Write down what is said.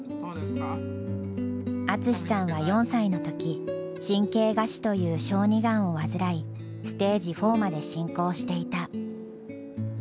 淳さんは４歳の時神経芽腫という小児がんを患いステージ４まで進行していた。